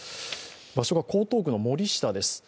場所が江東区の森下です。